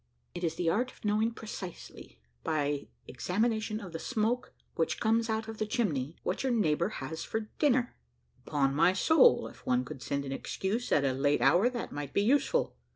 "It is the art of knowing precisely, by examination of the smoke which comes out of the chimney, what your neighbour has for dinner." "Upon my soul, if one could send an excuse at a late hour, that might be useful."